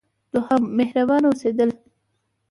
دوهم: مهربانه اوسیدل.